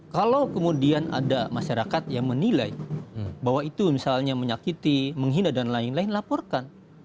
kalau kemudian ada masyarakat yang menilai bahwa itu misalnya menyakiti menghina dan lain lain laporkan